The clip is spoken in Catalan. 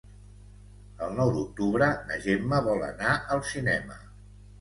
El nou d'octubre na Gemma vol anar al cinema.